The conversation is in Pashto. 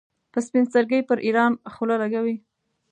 په سپین سترګۍ پر ایران خوله لګوي.